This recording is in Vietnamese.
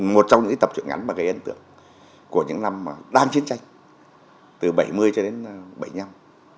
một trong những tập truyện ngắn mà gây ấn tượng của những năm mà đang chiến tranh từ bảy mươi cho đến bảy mươi năm